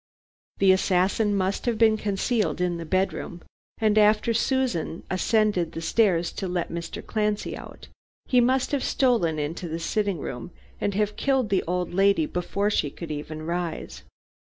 "The assassin must have been concealed in the bedroom, and after Susan ascended the stairs to let Mr. Clancy out, he must have stolen into the sitting room and have killed the old lady before she could even rise.